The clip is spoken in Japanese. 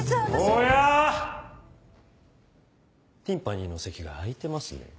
おや⁉ティンパニの席が空いてますね。